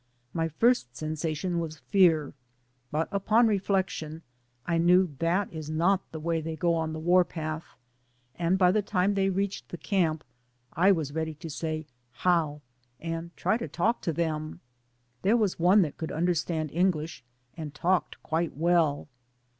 My first sensation was fear, but upon reflection I knew that is not the way they go on the warpath, and by the time they reached camp I was ready to say DAYS ON THE ROAD. 235 "How," and try to talk to them. There was one that could understand English and talked quite well.